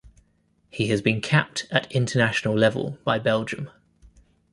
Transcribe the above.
He has been capped at international level by Belgium.